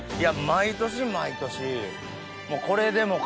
毎年毎年。